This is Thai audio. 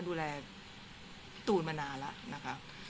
ดูแลพี่ตูนมานานแล้วนะคะ